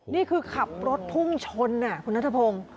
นี่คือขับรถพุ่งชนคุณนัทพงศ์